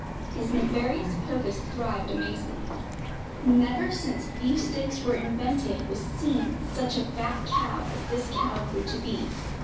His nefarious purpose thrived amazingly. Never, since beef steaks were invented, was seen such a fat cow as this cow grew to be.